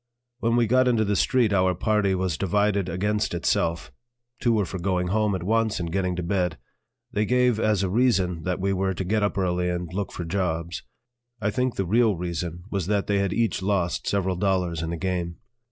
When we got into the street our party was divided against itself; two were for going home at once and getting to bed. They gave as a reason that we were to get up early and look for jobs. I think the real reason was that they had each lost several dollars in the game.